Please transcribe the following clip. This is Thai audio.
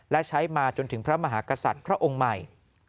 และใช้มาจนถึงพระมหากษัตริย์พระองค์ใหม่